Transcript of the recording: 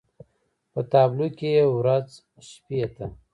په تابلو کې يې ورځ شپې ته